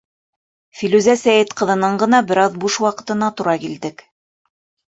Филүзә Сәйет ҡыҙының ғына бер аҙ буш ваҡытына тура килдек.